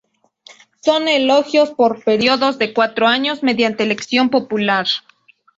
Son elegidos por periodos de cuatro años mediante elección popular.